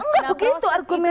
enggak begitu argumennya